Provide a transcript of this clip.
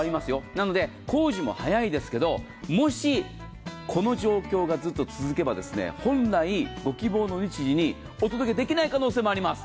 なので、工事も早いですけど、もしこの状況がずっと続けば、本来、ご希望の日時にお届けできない可能性もあります。